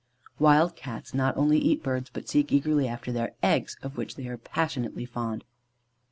Wild Cats not only eat birds, but seek eagerly after their eggs, of which they are passionately fond.